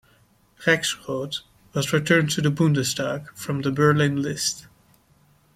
Rexrodt was returned to the Bundestag from the Berlin list.